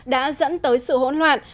đã dẫn tới sự hỗn loạn